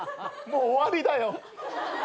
もう終わりだよ。